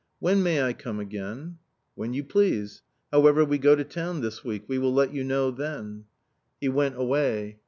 " When may I come again ?"" When you please. However, we go to town this week; we will let you know thea" He went away.